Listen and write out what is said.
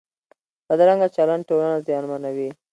بدرنګه چلند ټولنه زیانمنوي